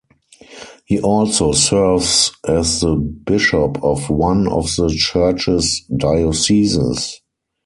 He also serves as the bishop of one of the Church's dioceses.